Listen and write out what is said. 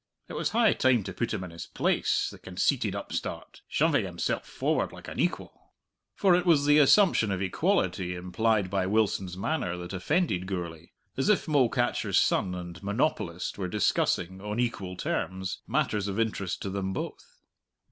It was high time to put him in his place, the conceited upstart, shoving himself forward like an equal! For it was the assumption of equality implied by Wilson's manner that offended Gourlay as if mole catcher's son and monopolist were discussing, on equal terms, matters of interest to them both.